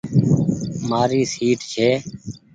مآري سيٽ ڇي۔